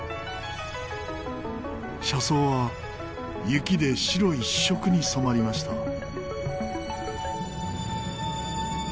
車窓は雪で白一色に染まりました。